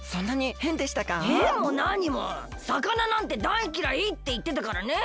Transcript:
へんも何も魚なんてだいきらいっていってたからねえ。